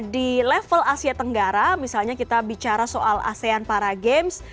di level asia tenggara misalnya kita bicara soal asean para games